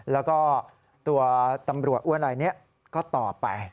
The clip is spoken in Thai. แล้วก็ตัวตำรวจอ้วนลายนี้ก็ตอบไป